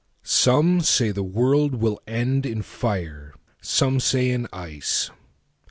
SOME say the world will end in fire, Some say in ice.